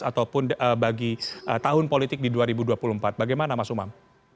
ataupun bagi tahun politik di dua ribu dua puluh empat bagaimana mas umam